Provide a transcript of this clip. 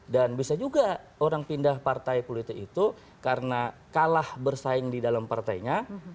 dan bisa juga orang pindah partai politik itu karena kalah bersaing di dalam partainya